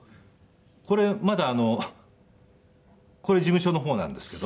これまだこれ事務所の方なんですけど。